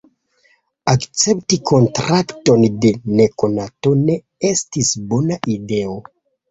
"Akcepti kontrakton de nekonato ne estis bona ideo!"